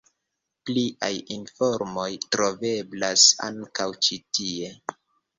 Pliaj informoj troveblas ankaŭ ĉi tie.